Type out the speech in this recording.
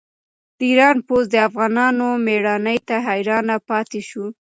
د ایران پوځ د افغانانو مېړانې ته حیران پاتې شو.